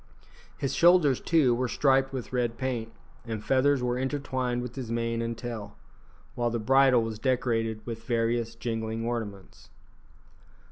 His shoulders, too, were striped with red paint, and feathers were intertwined with his mane and tail, while the bridle was decorated with various jingling ornaments.